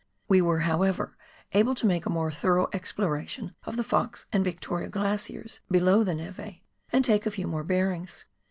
We were, however, able to make a more thorough exploration of the Fox and Yietoria glaciers below the nete and take a few more bearings.